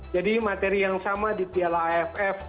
jadi materi yang sama di piala aff u sembilan belas dua ribu dua puluh dua